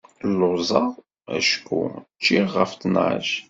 Lluẓeɣ acku ur cciɣ ɣef ttnac.